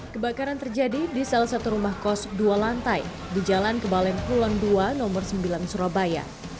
kebakaran terjadi di salah satu rumah kos dua lantai di jalan kebalen pulang dua nomor sembilan surabaya